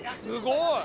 すごい。